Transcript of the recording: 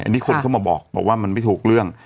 อันนี้คนเข้ามาบอกว่ามันไม่ถูกเรื่อง